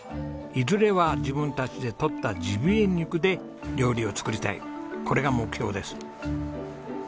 いずれは自分たちで取ったジビエ肉で料理を作りたいこれが目標です。